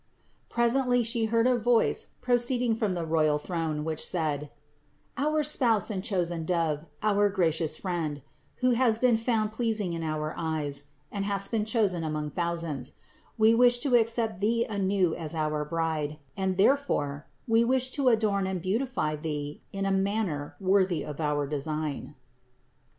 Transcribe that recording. Presently She heard a voice proceeding from the royal throne, which said : "Our Spouse and chosen Dove, our gracious Friend, who hast been found pleasing in our eyes and hast been chosen among thousands : We wish to accept thee anew as our Bride, and therefore We wish to adorn and beautify thee in a manner worthy of our design."